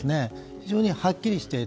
非常にはっきりしている。